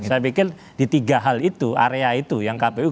saya pikir di tiga hal itu area itu yang kpu